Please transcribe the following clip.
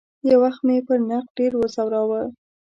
یو وخت مې پر نقد ډېر وځوراوه.